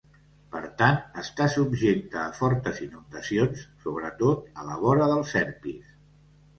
Per tant està subjecta a fortes inundacions, sobretot a la vora del Serpis.